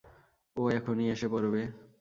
ও এখনই এসে পড়বে।